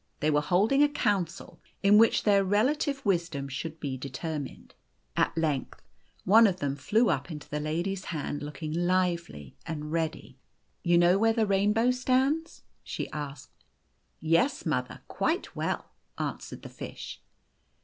They were holding a council, in which their relative wisdom should be determined. At length one of them flew up into the lady's hand, looking lively and ready. " You know where the rainbow stands ?" she asked. " Yes, mother, quite well," answered the fish.